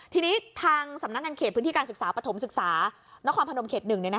ทีนี้ทางสำนักงานเขตพื้นที่การศึกษาปฐมศึกษานครพนมเขต๑